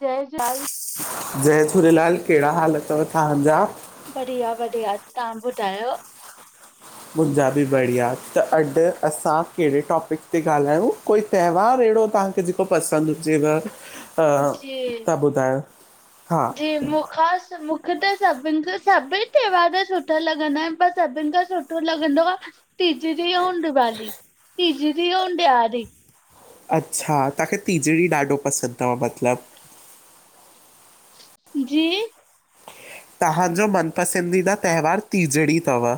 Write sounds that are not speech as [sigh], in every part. जय झुलेलाल। जय झूलेलाल केड़ा हाल तव तांजा? बढ़िया-बढ़िया तां ॿुधायो? मुंॼा ॿि बढ़िया त अॼ असां केड़े टॉपिक ते ॻालायूं कोई? त्योहार एड़ो तांखे जेको पसंद हुजेव। त तां ॿुधायो हा? ॼी मूंख़ास मूं मूंखे त सॿिन खां सॿई त्योहार त सुठा लॻंदा आयन पर सॿिन खां सुठो लॻंदो आ। तीजरी अउं दिवाली तीॼरी अउं ॾियारी। अच्छा तांखे तिजड़ी ॾाढो पसंद तव मतलब। जी? तव्हांजो मनपसंदीदा त्योहार टीजड़ी तव।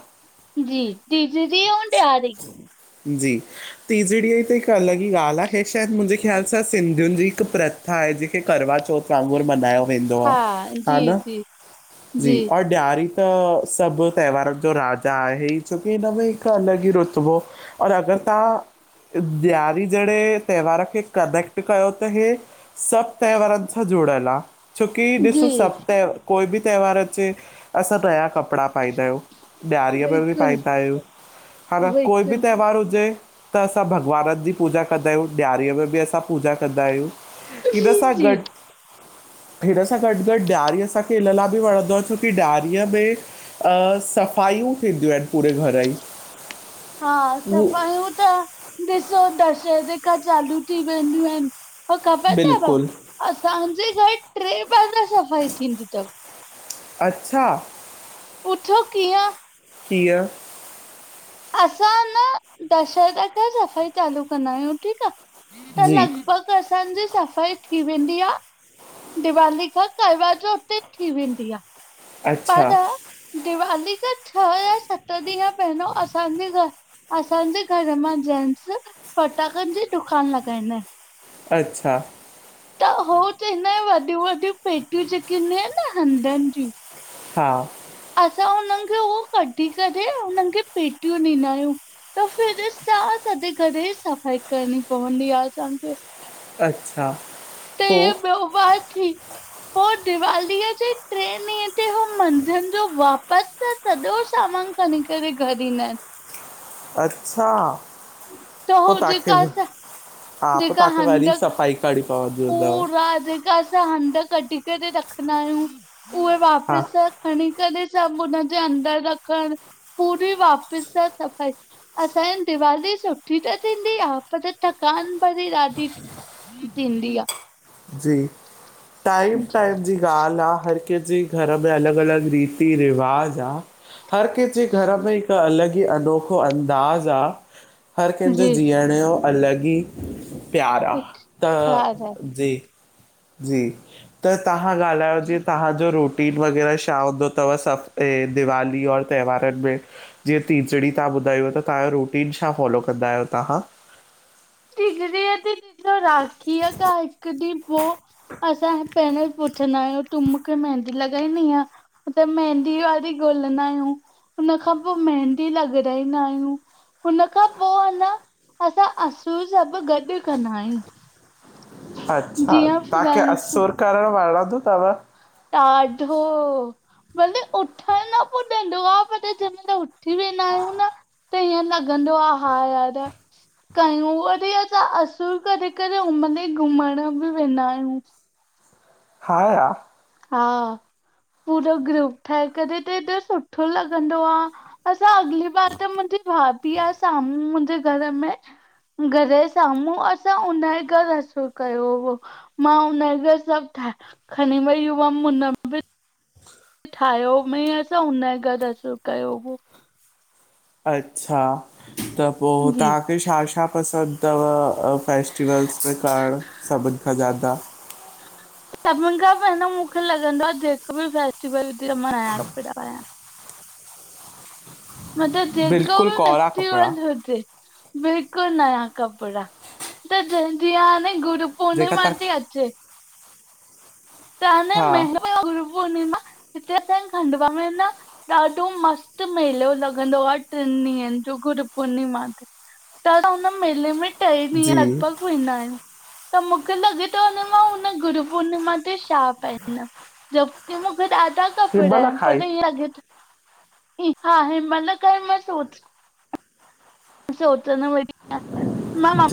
ॼी टिॼड़ी अउं ॾियारी। ॼी तीॼड़ी ॼी त हिक अलॻ। हहा ॻाल आहे ह शायद मुंॼे ख़्याल सां सिंधियुन ॼी हिक प्रथा आहे जेके करवा चौथ। कांगुर मलायो वेंदो आ हा हा जी न? जी जी औ ॾियारी त सॿ त्योहारन ॼो राजा आहे ई छोकी हिनमें हिक अलॻ ई रो सुॿु और अगर तां ॾियार ॼेड़े त्योहार खे कनेक्ट कयो त हे सॿ त्योवारन सां जुड़ल आ। छोकी जी ॾिसो सॿ त्यो कोई ॿि त्योहार अचे असां नया कपड़ा पाईंदा आयूं। ॾियारी में ॿि बिल्कुलु पाईंद आयुं ह न। बिल्कुलु त्योहारु हुजे त असां भॻवानन ॼी पूजा कंदा आयूं ॾियारीअ में ॿि असां पूजा कंदा आयूं। जी इनसा जी गॾ हिन सां गॾ-गॾ ॾियरी असांखे हिन लाइ ॿि वणंदो आ छोकी ॾियारीअ में। सफ़ाइयूं थींदियूं आयन पूरे घर ॼी। हा सफ़ाईयुं त ॾिसो दशहरे खां चालू थी वेंदियूं आयन। पोइ ख़बर तव, बिल्कुलु असांजे घरु ट्रे बार सफ़ाई थींदी तव। अच्छा। पुछो कीअं? कीअं? असां न, दशहरे खां सफ़ाई चालू कंदा आहियूं ठीकु आ, त जी लगि बॻ असांजी सफ़ाई थी वेंदी आ। दिवाली खां कारवा चौथ ते थी वेंदी आ। अच्छा। पर दिवाली खां छह या सत ॾींहं पहिरियों असांजे घरि असांजे घर मां जेनस फटाकनि जी दुकान लॻाईंदा इनि। अच्छा। त हो त हिनयो वॾियूं वॾियूं पेटियूं जेके हूंंदियूं इनि न हंधनि जूं। हा। असां उननि खे उहो कढी करे, उननि खे पेटियूं ॾीदा आहियूं। त फिर सां संदे करे सफ़ाई करणी पवंदी आ, सम्झुइ। अच्छा, पो? त उहा थी, पोइ दिवालीअ जी ट्रें ॾिहं उत हो मंझंजि जो वापसि सॼो सामान खणी करे घरि ईंदा इनि। अच्छा, त पोइ हो तांखे, जेका असां हा पोइ जेका तांखे वरी सफ़ाई खणी पोंदी हूंदव। हा, जेका असां हंध कढी करे रखंदा आहियूं, उहे हा वापसि सां खणी करे सभु हुनजे अंदर रखण, पूरी वापसि सां सफ़ाई असांयी दिवाली सुठी त थींदी आ। पर थकान भरी ॾाढी थींदी आ। जी, टाइम टाइम जी ॻाल्हि आ, हर किनिजी घर में अलॻि अलॻि रीति रिवाज़ आ, हर कंहिंजे घर में हिक अलॻ जी, अनोखो अंदाज़ आ, हर कंहिंजो जी जीअण जो अलॻि ई प्यार आ, ख़्याल त आहे जी, जी त तहां ॻाल्हायो जी तहांजो रूटि रुटीन वग़ैरह छा हूंदो तव सभ ते, दीवाली और त्योहारनि में जीअं टीजड़ी तहां ॿुधायो त तांजो रुटीन छा फॉलो कंदा आहियो तहां? टीजड़ी ते [unintelligible] तो राखी खां हिकु ॾींहुं पोइ असां हि पहिरियों ई पुछंदा आहियूं, कि मुखे मेहदी लॻाइणी आ। त मेहंदी वारी ॻोलंदा आहियूं, उनखां पोइ मेहंदी लॻाराईंदा आहियूं उनखां पोइ न, असां असु असुर सभु गॾु कंदा आयूं। अच्छा, तांखे फ्रेंड्स असुर करणु वणंदो तव? ॾाढो। भले उथणु न पुॼंदो आ पर जेमल उथी वेंदा आहियूं न त ईअं लॻंदो आ, हा यार कयूं वरी, असां असूर करे करे उमल ई घुमण बि वेंदा आहियूं। हा। हा, पूरो ग्रूप ठाहे करे त ॾोढो सुठो लॻंदो आ। असां अॻली बार त मुंजी भाभी आ, साम्हूं मुंहिंजे घर में घर जे साम्हूं आ असां हुनजे घर असुर कयो हो। मां उन सभ खणी वेई हुअम मतलब ठाहियो मिंह जो हुन गॾ असर कयो हो अच्छा त पो जी तां ॿियो छा छा पसंद थव फेस्टिवल्स में कारण सभिन खां ज्यादा सभिन खां पहिरियो मुंखे लॻंदो आ जेको बि फेस्टिवल हुजे मां आहियां कपड़ा आहियां मतलब जेको बिल्कुलु भी कौरा कपिड़ा फेस्टिवल हुजे बिल्कुल नया कपड़ा त जीअं हाणे गुरु जेका पूर्णिमा तव्हां थी अचे त न महंगा [inaudible] हिते स खंडुवा में न ॾाडो मस्त मेलो लॻंदो आ टिन ॾींहंन जो गुरु पुर्णिमा ते त हुन मेले में टेई ॾींहं जी लॻभॻ वेंदा आहियूं त मुंखे लॻे थोे मां हुन गुरू पूर्णिमा ते छा पाईदम जब की मुंखे ॾाढा कपड़ा हिनमहिल आहिन खाई पर इएं लॻे थो ही हा आहे मतलब घर में सोच सोचंदम वरी [unintelligible]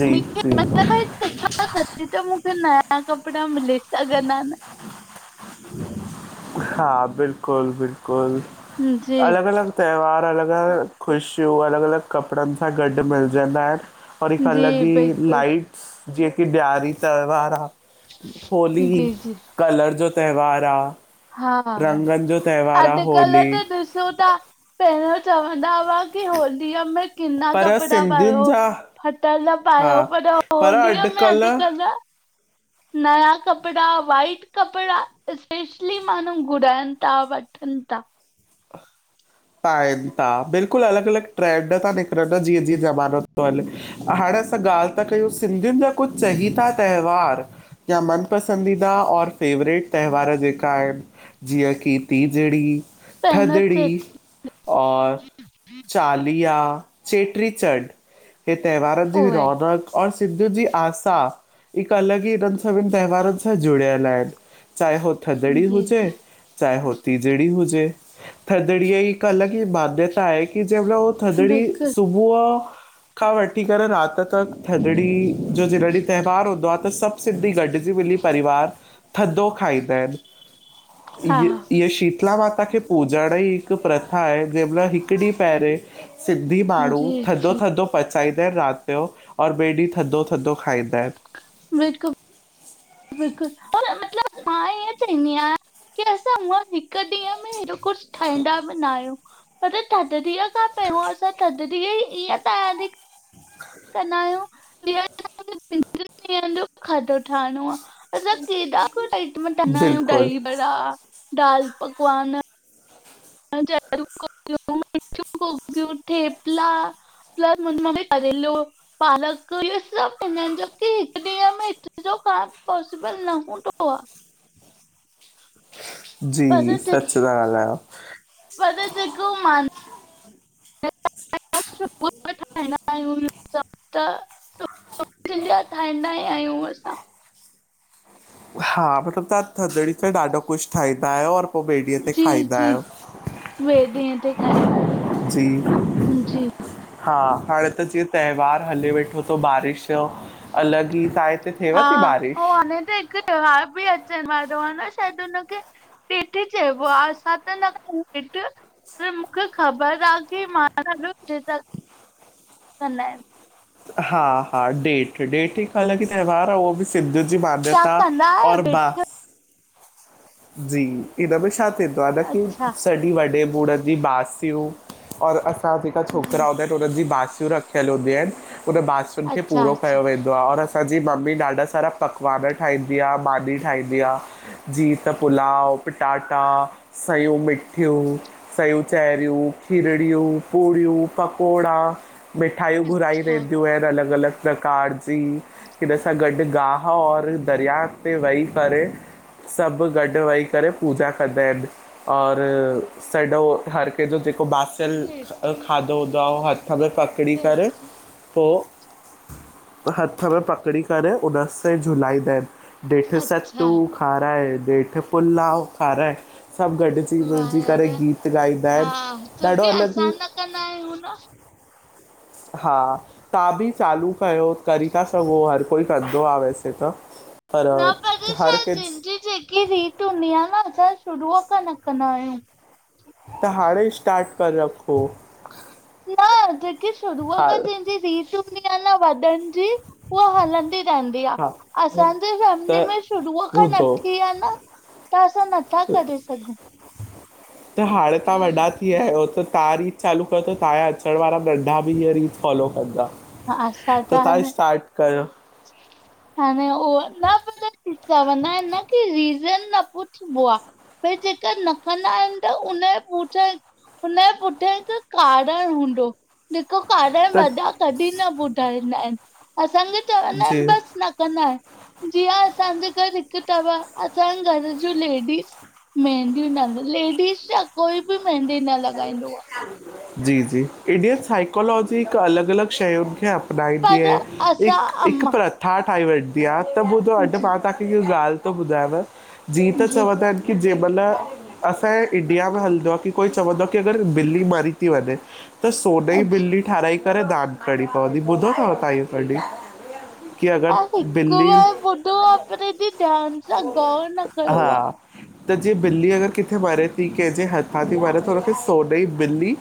जी जी सच त मूंखे नया कपड़ा मिली सघंदा न हा बिल्कुल बिल्कुल जी अलग अलग त्यौहार अलग अलग ख़ुशियूं अलग अलग कपड़न सां गॾु मिलजंदा आहिन और हिक जी अलग ई बिल्कुलु लाइट जीअं की ॾयारी त्यौहार आ होली जी जी कलर जो त्यौहार आ हा हा हा अॼकल होली त ॾिसूं था पहरियों चवंदा हुआ की होलीअ में किना पर कपड़ा सिंधियुनि पायो जा फटल हा पायो पर होलीअ में अॼुकल नयां कपड़ा वाइट कपड़ा स्पेश ली माण्हू घुराइन था वठन था पाइन था बिल्कुल अलग अलग ट्रैंड था निकरन जीअं जीअं ज़मानो थो हले हाणे असां ॻाल था कयूं सिंधियुन जा कुछ चहीता त्यौहार या मन पसंदीदा और फेवरेट त्यौहार जेका आहिन जीअं की तीजड़ी पहिरियों थदड़ी चए और चालीहा चेटी चंड हे त्यौहारन जी उहे रौनक और सिंधियुन जी आसा हिक अलग ई हिनन सभिन त्यौहारन सां जुड़ियल आहिन चाहे हो थदड़ी जी हुजे जी चाहे हो तीजड़ी हुजे थदड़ीअ ई हिक अलग ई मान्यता आहे कि जंहिं मेंल उ थधड़ी बिल्कुलु सुबु बुह खां वठी करे रात त थधड़ी जो जॾहिं त्यौहार हूंदो आ त सभ सिंधी गॾजी मिली परिवार थधो खाईंदा आहिन हा इय ईअ शीतला माता खे पूजाण जी हिक प्रत प्रथा आहे जेका हिक ॾींह पहिरे सिंधी माण्हू जी थधो थधो पचाईंदा आहिन रात जो और ॿिए ॾींह थधो थधो खाईंदा आहिन [unintelligible] बिल्कुल और मतलब मां ईअं चहंदी आहियां की असां हूअ हिक ॾींहं में कुछ ठहींदा बि न आहियूं, पर थदड़ीअ खां पहिरियों असां थदड़ीअ ई इअ तैयारी कंदा आहियूं जीअं त बिन टिन ॾींहनि जो खाधो ठाहणो आ। मतलब केॾा कुझ आइटम कंदा आहियूं बिल्कुलु दही बड़ा, दाल पकवान चेहङी कोकीयूं, मिठयूं कोकीयूं, ठेपला पिलस मुंहिंजी मम्मी करेलो पालक इहो सभु ठाहिना आहिन, जबकि हिकु ॾींहं में हेतिरो खायंण पॉसिबल न हूंदो आ। जी पर जे- सचि ता ॻाल्हाययो। पर जेको मान [inaudible] [unintelligible] जा ठाहींदा ई आहियूं असां। हा, मतिलबु तां थधिड़ी ते ॾाढो कुझु ठाहींदा आहियो और पो ॿे डींहुं ते खाईंदा आहियो। ॿे डींहुं ते खांईंदा आयूं, जी। हां, हाणे त जीअं तैवार हले वेठो थो बारिश जो अलॻि ई। तवां जे हिते थिएव हा ती बारिश? ऐं हाणे त हिकु त्योहार बि अचनि वारो आ न शायदि हुनखे जेठ चयबो आ, असां त न कंदा आहियूं जेठ [unintelligible] पर मूंखे ख़बर आ कि मां हलो [inaudible] त कंदा आहिनि। हा हा, डेठ-डेठ हिकु अलॻु इ त्योहार आ उहो बि सिंधियुनिजी तव्हां मान्यता कंदा आहियो और ॾेठ बास जी हिन में छा थींदो? अच्छा हालांकि वॾे ॿुड़नि जी बासियूं और असां जेका जी छोकिरा हुदां हुनिनि जी बासूं रखियल हूंदी आहिनि, हुन बासुनि खे अच्छा पूरो अच्छा कयो वेंदो आ और असां असांजी मम्मी ॾाढा सारा पकवान ठाहींदी आ, मानी ठाहींदी आ। जीअं त पुलााव, पटाटा, सयूं मिठियूं सयूं चेरियूं, खीरड़ियूं, पूड़ियूं, पकोड़ा मिठाइयूं घुराइ अच्छा वेंदियूं आहिनि, अलॻि-अलॻि प्रकार जी हिन सां गॾु गाहु और दरिया ते वेही करे सभु गॾु वेही करे पूजा कंदा आहिनि और सॾो हर कंहिंजो जेको बासल ॾेठ न खाधो हूंदो आ, उहो हथ में पकड़ी करे ॾेठ पो, हथ में पकड़ी करे उन से झुलाईंदा आहिनि। जेठ सत्तू अच्छा खाराए, ॾेठि पुलाव खाराए सभु गॾु मिलजी वलिजी वार करे गीत ॻाईंदा हा आहिनि, ॾाढो छोकी अलॻि ई असां न कंदा आहियूं न [inaudible] हा, तां बि चालू कयो, करी था सघो हर कोई कंदो आ वैसे त। पर न पर छा हर जंहिंजी कंहिं जेकी रीति हूंदी आ न, असां शुरूअ खां न कंदा आहियूं। त हाणे स्टार्ट करे रखो। न जेकी शुरूअ खां हा थींदी रीत हूंदी आ न वॾनि जी उह हलंदी रहनु न्दी आ, हा असांजे त फैमिलीअ में शुरूअ खां न ॿुधो थी आ न। त असां नथा करे सघूं। त हाणे तां वॾा थी विया आहियो, त ता रीत चालू कयो त तहां जा अचणु वारा नढा बि इहे रीत फॉलो कंदा, हा असां त त हाणे तव्हांजे स्टार्ट कयो। हाणे उह ना, चवंदा आहिन न कि रीज़न न पुछबो आ। भइ जेका न कंदा आहिनि त उन जे पुठया हुनजे पुठियां हिकु कारण हूंदो। जेको कारण त वॾा कॾहिं न ॿुधाईंदा आहिनि। असांखे चवंदा आहिनि जी बसि न कंदा आहिनि। जीअं असांजे घर हिकु तव, असांजे घर जूं लेडीस मेहंदी न, लेडीस छा कोई बि मेहंदी न लॻाईंदो आ। जी जी, इंडियन साइकोलॉजी हिकु अलॻि अलॻि शयुनि खे आ ठाहींदी पर आ, हिक असां हिक अम्मा प्रथा ठाही वेंदी आ, जी इह ॻाल्हि थो ॿुधायांव, जीअं त जी चवंदा आहिनि कि जंहिंमहिल असांजे इंडिया में हलंदो आहे की कोई चवंदो आ कि अगर बिल्ली मरी ती वञे त सोन जी बिल्ली ठहिराई करे दान करिणी पवंदी, ॿुधो अथव तव्हां इहो कॾहिं? की हा अगरि हिकु ॿिली बार ॿुधो आ, पर हेॾी ध्यानु सां गौर न कयो आ। हा त जिंअ बिल्ली अगर किथे मरे ती, कंहिंजे हथां ती मारे त हुनखे स सोन जी ॿिल्ली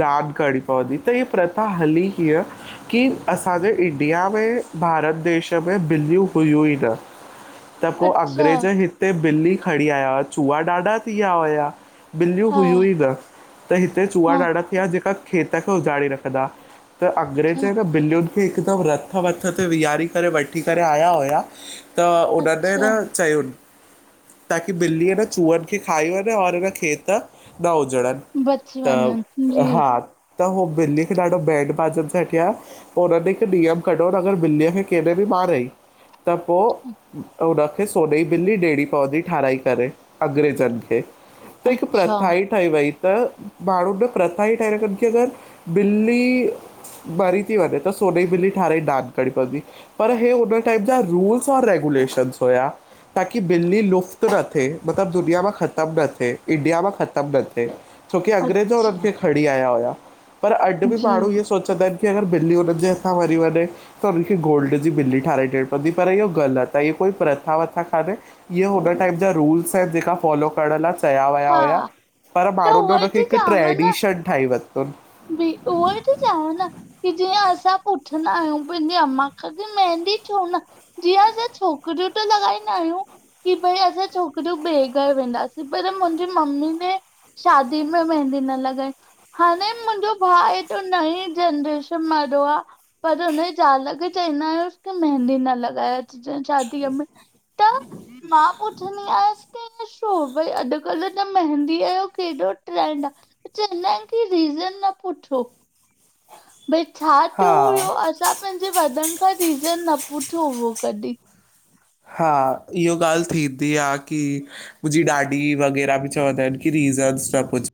दान करणी पवंदी, त हीअ प्रथा हली कीअ कि असांजे इंडिया में भारत देश में ॿिलियूं हुयूं ई न। ह, त आहे। पोइ अच्छा अंग्रेज हिते ॿिल्ली खणी आया हुआ, चुआ ॾाढा थी विया हुआ। ॿिलियूं हा हुयूं ई न। त हिते चुआ हा ॾाढा थी विया, जेका खेत खे उजाड़े रखंदा आ, त अच्छा अंग्रेज़ न ॿिलियुनि खे हिकदमि रथ वथ ते वीहारे करे वठी करे आया हुआ त उननि न अच्छा चयूंनि ताकि ॿिली न चुहनि खे खाई वञे और हिन खेत न उजणनि। बची त वञनि जी हा त होहो ॿिली खे ॾाढो बैड बाजन सां किया पोइ हुनननि हिकु नियम कढो, अगरि ॿिलीअ खे केॾे बि मारियईं त पोइ हुन न खे सोने जी बिल्ली ॾियणी पवंदी ठाराई करे अंग्रेजनि खे, त हिकु अच्छा प्रथा ही ठही वई, त माण्हुनि जो प्रथा ई ठाहे रखन कि अगरि ॿिली मरी थी वञे त सोने जी बिली ठाराई दान करड़ी पवंदी। पर हे हुन टाइम जा रूल्स और रेगुलेशन हुया। ताकी बिल्ली लुप्तु न थिए, मतिलबु दुनिया मां ख़तमु न थिए, इंडिया मां ख़तमु न थिए। छोकी अंग्रेज उनि खे खणी आया हुया, पर अॼु बि जी माण्हू हिय सो सोचंदा आहिनि कि अगरि बिल्ली हुनन जे हथा मरी वञे त हुनखे गोल्ड जी ॿिली ठाराहे ॾियणी पवंदी पर इहो ग़लति आहे, इह कोई प्रथा वथा कान्हे इहे हुन टाइम जा रूल्स आहिनि, जेका फॉलो करण ला कया विया हा हुया, पर त माण्हुनि उहोई हुनखे हिकु ट्रैडिशन ठाही वरितून। जी, उहो ई त चवां न कि जीअं असां पुछंदा आहियूं पंहिंजी अम्मा खां कि मेहदी छो न जीअं असां छोकिरियूं त लॻाईंदा आहियूं कि भई असां छोकिरियूं ॿिए घरि वेंदासीं, पर मुंहिंजी मम्मी न शादी में मेहंदी न लॻाए, हाणे मुंहिंजो भाउ हे तो नई जनरेशन वारो आ पर हुनजी ज़ाल खे चवंदा आहिंस कि मेहदी न लॻाए अचजे शादीअ में। त मां पुछंदी आयसि की इ छो भई अॼुकल्ह त मेहंदीअ जो केॾो ट्रेंड आ। त चवंदा आहिन कि रीज़न न पुछो। भई छा थ्यो हा हुयो, असां पैंजे वॾन खां रीज़न न पुछो हो कॾी? हा, इहो ॻाल्ह थींदी आ की मुंजी ॾाॾी वग़ैरा बि चवंदा एन, की रीज़न्स न पुछ।